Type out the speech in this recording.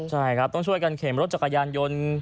ใช่ครับต้องช่วยกันเข็มรถจักรยานยนต์